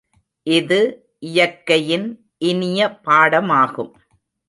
இது இயற்கையின் இனிய பாடமாகும்.